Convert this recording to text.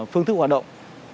phương thức hoạt động